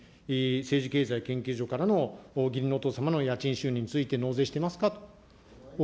政治経済研究所からの義理のお父様の家賃収入について納税してますかと。